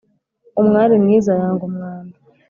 umwari mwiza yanga umwanda